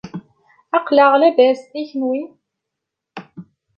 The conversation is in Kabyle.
Aqlaɣ labas, i kunwi?